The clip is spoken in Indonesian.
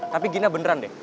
tapi gina beneran deh